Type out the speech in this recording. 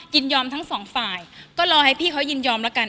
ยินยอมทั้งสองฝ่ายก็รอให้พี่เขายินยอมแล้วกัน